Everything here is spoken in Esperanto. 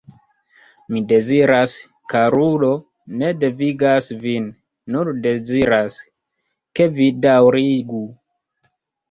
Mi deziras, karulo, ne devigas vin, nur deziras, ke vi daŭrigu.